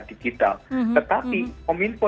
digital tetapi kominfo